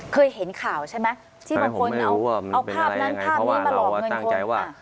เคยเห็นข่าวใช่ไหมที่บางคนเอาภาพนั้นภาพนี้มาหลอกเงินตั้งใจว่า